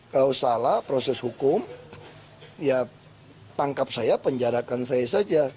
kalau salah proses hukum ya tangkap saya penjarakan saya saja